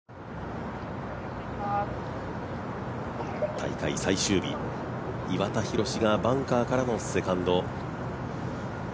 大会最終日、岩田寛がバンカーからのセカンド。